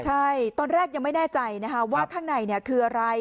ใช่ตอนแรกยังไม่แน่ใจนะคะว่าข้างในคืออะไร